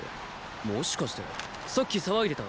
もしかしてさっき騒いでた。